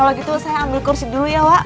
kalau gitu saya ambil kursi dulu ya pak